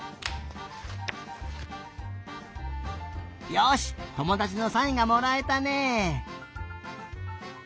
よしともだちのサインがもらえたね。